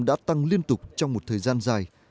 đã tăng liên tục trong một thời gian dài